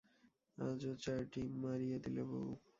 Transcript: আজও চারটিা মাড়িয়ে দিলে বৌ!